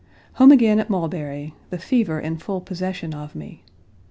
Home again at Mulberry, the fever in full possession of me.